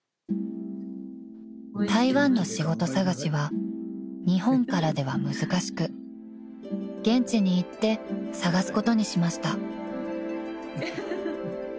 ［台湾の仕事探しは日本からでは難しく現地に行って探すことにしました］